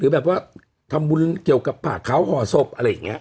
แบบว่าทำบุญเกี่ยวกับผ่าเขาห่อศพอะไรอย่างนี้